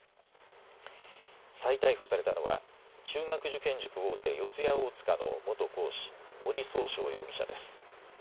再逮捕されたのは中学受験塾大手、四谷大塚の元講師、森崇翔容疑者です。